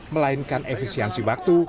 melainkan efisiensi waktu